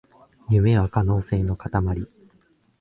夢は可能性のかたまり